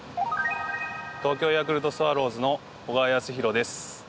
東京ヤクルトスワローズの小川泰弘です。